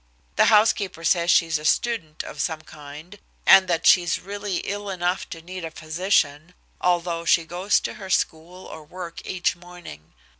The housekeeper says she's a student of some kind, and that she's really ill enough to need a physician, although she goes to her school or work each morning.